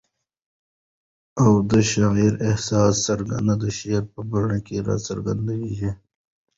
او د شاعر احساسات څرنګه د شعر په بڼه کي را څرګندیږي؟